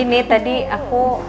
ini tadi aku